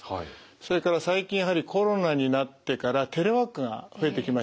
それから最近やはりコロナになってからテレワークが増えてきましたね。